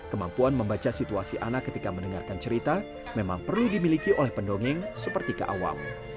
kemampuan membaca situasi anak ketika mendengarkan cerita memang perlu dimiliki oleh pendongeng seperti keawam